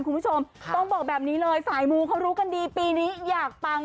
คุณผู้ชมต้องบอกแบบนี้เลยสายมูเขารู้กันดีปีนี้อยากปัง